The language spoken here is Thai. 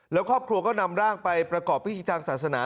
แล้วครอบครัวก็นำร่างไปประกอบพิธีทางศาสนา